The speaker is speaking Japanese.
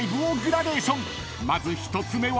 ［まず１つ目は］